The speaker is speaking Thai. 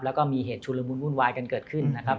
แล้วก็มีเหตุชุลมุนวุ่นวายกันเกิดขึ้นนะครับ